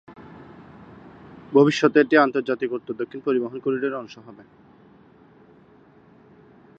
ভবিষ্যতে এটি আন্তর্জাতিক উত্তর-দক্ষিণ পরিবহণ করিডোর এর অংশ হবে।